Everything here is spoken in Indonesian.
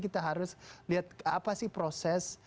kita harus lihat apa sih proses